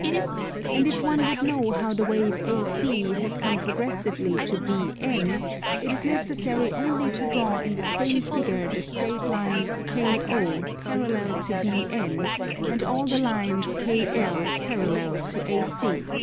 And if one would know how the wave AC has come progressively to BN, it is necessary only to draw in the same figure the straight lines KO parallel to BN, and all the lines KL parallel to AC.